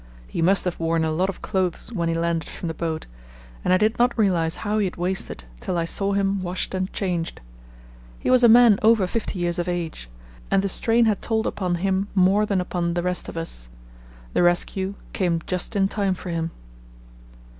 He must have worn a lot of clothes when he landed from the boat, and I did not realize how he had wasted till I saw him washed and changed. He was a man over fifty years of age, and the strain had told upon him more than upon the rest of us. The rescue came just in time for him.